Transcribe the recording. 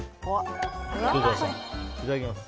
いただきます。